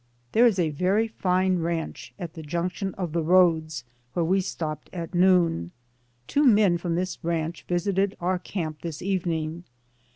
There is a very fine ranch at the junction of the roads, where we stopped at noon. Two men from this ranch visited our camp this evening.